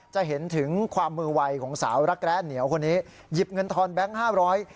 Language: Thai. จะเห็นถึงความมือไวของสาวรักแร้เหนียวคนนี้หยิบเงินทอนแบงค์ห้าร้อย